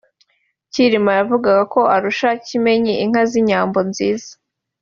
Cyilima yavugaga ko arusha Kimenyi inka z’inyambo nziza